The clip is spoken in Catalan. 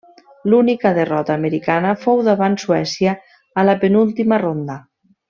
L'única derrota americana fou davant Suècia a la penúltima ronda.